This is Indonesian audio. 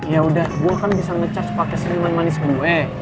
yaudah gue kan bisa ngecharge pake seniman manis gue